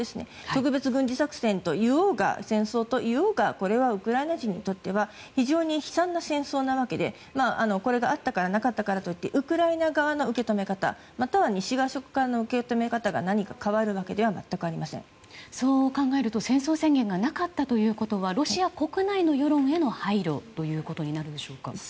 特別軍事作戦と言おうが戦争と言おうがこれはウクライナ人にとっては非常に悲惨な戦争なわけでこれがあったからなかったからといってウクライナ側の受け止め方または西側諸国側からの受け止めが何か変わるわけではそう考えると戦争宣言がなかったということはロシア国内への世論への配慮となるんでしょうか。